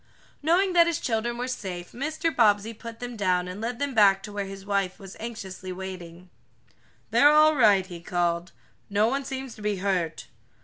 Knowing that his children were safe, Mr. Bobbsey put them down and led them back to where his wife was anxiously waiting. "They're all right," he called. "No one seems to be hurt."